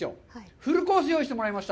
フルコースを用意してもらいました。